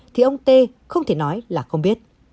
thì ông tê không thể nói là không biết